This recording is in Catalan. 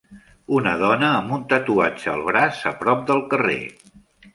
Una dona amb un tatuatge al braç a prop del carrer.